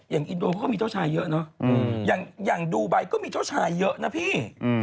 อินโดเขาก็มีเจ้าชายเยอะเนอะอย่างดูไบก็มีเจ้าชายเยอะนะพี่